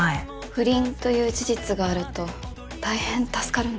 不倫という事実があると大変助かるんです。